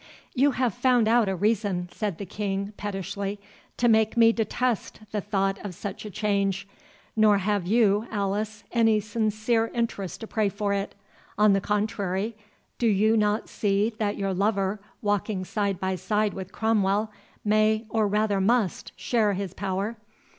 "You have found out a reason," said the King, pettishly, "to make me detest the thought of such a change—nor have you, Alice, any sincere interest to pray for it. On the contrary, do you not see that your lover, walking side by side with Cromwell, may, or rather must, share his power?